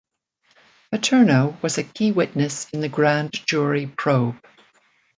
Paterno was a key witness in the grand jury probe.